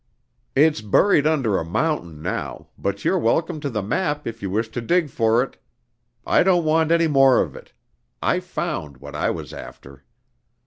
"It's buried under a mountain now, but you're welcome to the map if you wish to dig for it. I don't want any more of it. I found what I was after."